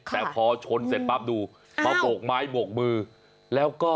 แต่พอชนเสร็จปั๊บดูมาโบกไม้โบกมือแล้วก็